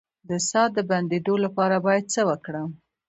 د ساه د بندیدو لپاره باید څه وکړم؟